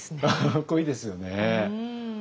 かっこいいですよね。